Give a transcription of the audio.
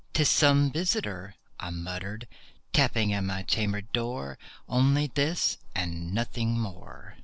"'Tis some visitor," I muttered, "tapping at my chamber door— Only this and nothing more."